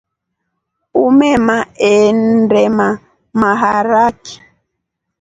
Umema endema maharaki.